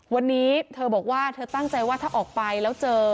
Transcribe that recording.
วันนี้เธอบอกว่าเธอตั้งใจว่าถ้าออกไปแล้วเจอ